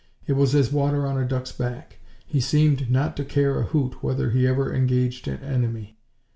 It was as water on a duck's back; he seemed not to care a hoot whether he ever engaged an enemy.